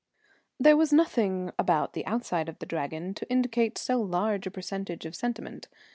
] There was nothing about the outside of the Dragon to indicate so large a percentage of sentiment.